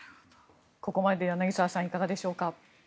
ここまでで柳澤さんいかがでしょうか。